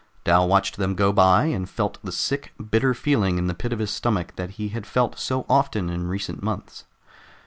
Dal watched them go by, and felt the sick, bitter feeling in the pit of his stomach that he had felt so often in recent months.